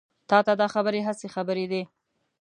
تا ته دا خبرې هسې خبرې دي.